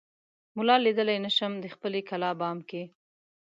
ملا ليدای نه شم دخپلې کلا بام کې